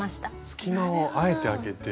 隙間をあえて空けて。